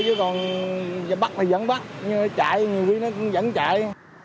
chứ còn bắt thì vẫn bắt nhưng mà chạy nhiều khi nó cũng vẫn chạy